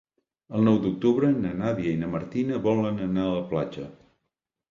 El nou d'octubre na Nàdia i na Martina volen anar a la platja.